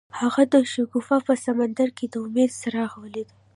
هغه د شګوفه په سمندر کې د امید څراغ ولید.